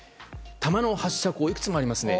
弾の発射口がいくつもありますね。